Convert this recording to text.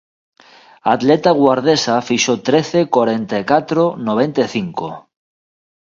A atleta guardesa fixo trece corenta e catro noventa e cinco.